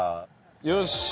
よし。